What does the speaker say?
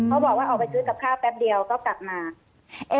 เขาบอกว่าออกไปซื้อกับข้าวแป๊บเดียวก็กลับมา